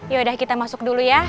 yaudah kita masuk dulu ya